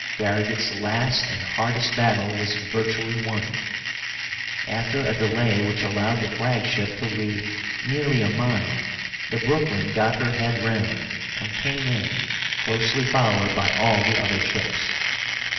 Farragut's last and hardest battle was virtually won. After a delay which allowed the flagship to lead nearly a mile, the Brooklyn got her head round, and came in, closely followed by all the other ships.